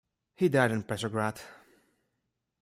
He died in Petrograd.